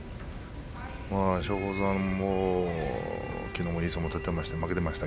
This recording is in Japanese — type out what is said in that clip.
松鳳山もきのうもいい相撲を取っていました。